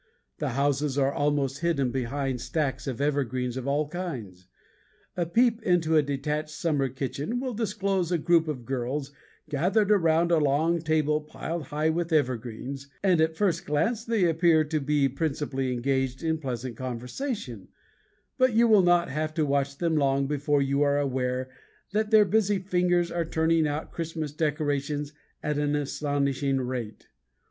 The houses are almost hidden behind stacks of evergreens of all kinds. A peep into a detached summer kitchen will disclose a group of girls gathered around a long table piled high with evergreens, and at first glance they appear to be principally engaged in pleasant conversation, but you will not have to watch them long before you are aware that their busy fingers are turning out Christmas decorations at an astonishing rate.